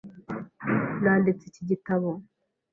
Nanditse iki gitabo .